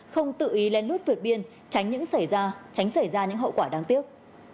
không tự ý lên lút vượt biên tránh những xảy ra tránh xảy ra những hậu quả đáng tiếc